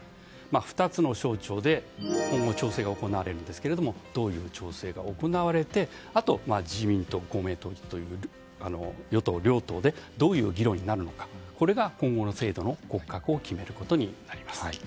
２つの省庁で今後調整が行われるんですがどういう調整が行われてあと、自民・公明の与党両党でどういう議論になるのかこれが今後の制度の骨格を決めることになります。